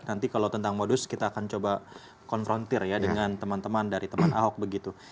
nanti kalau tentang modus kita akan coba konfrontir ya dengan teman teman dari teman ahok begitu